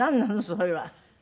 それは。